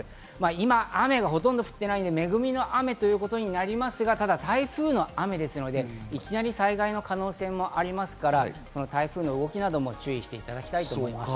今、雨がほとんど降っていないので、恵みの雨ということになりますが、ただ台風の雨ですので、いきなり災害の可能性もありますから、台風の動きなども注意していただきたいと思います。